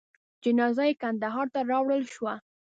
جنازه یې کندهار ته راوړل شوه.